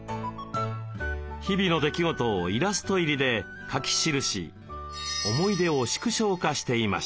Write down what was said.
日々の出来事をイラスト入りで書き記し思い出を縮小化していました。